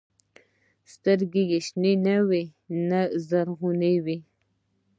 سترګې يې نه شنې وې نه زرغونې.